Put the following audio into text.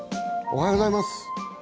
おはようございます。